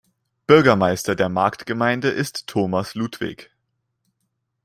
Bürgermeister der Marktgemeinde ist Thomas Ludwig.